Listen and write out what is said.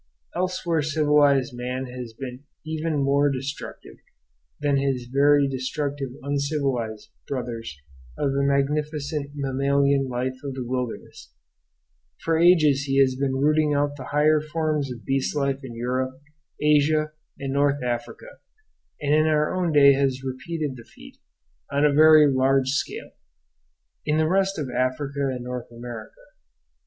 Elsewhere civilized man has been even more destructive than his very destructive uncivilized brothers of the magnificent mammalian life of the wilderness; for ages he has been rooting out the higher forms of beast life in Europe, Asia, and North Africa; and in our own day he has repeated the feat, on a very large scale, in the rest of Africa and in North America.